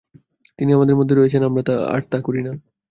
তিনি আমাদের মধ্যে রয়েছেন, আমরা আর তা করি না।